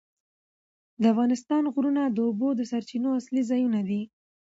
د افغانستان غرونه د اوبو د سرچینو اصلي ځایونه دي.